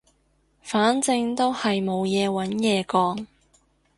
反正都係冇嘢揾嘢講